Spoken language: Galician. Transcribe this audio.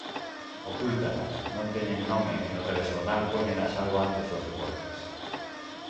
Ocúltanas, non teñen nome e no telexornal póñenas algo antes dos Deportes.